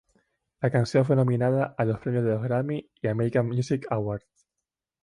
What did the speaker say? La canción fue nominada a los premios de los Grammy y American Music Awards.